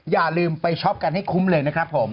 อย่าลืมไปช็อปกันให้คุ้มเลยนะครับผม